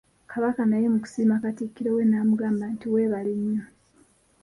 Kabaka naye mu kusiima Katikkiro we, n'amugamba nti weebale nnyo.